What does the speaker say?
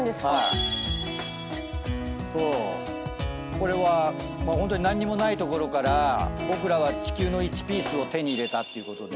これはホントに何もないところから僕らは地球の１ピースを手に入れたっていうことで。